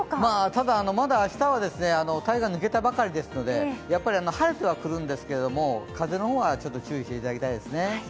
ただ、まだ明日は台風が抜けたばかりですので、晴れてはくるんですけれども、風の方は、ちょっと注意していただきたいですね。